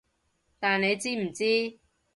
但你知唔知